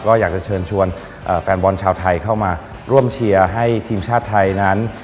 ก็อยากจะเชิญชวนแฟนบอลชาวไทยเข้ามาร่วมเชียร์ให้ทีมชาติไทยนั้น